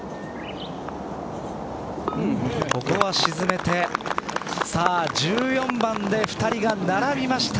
ここは沈めて１４番で２人が並びました。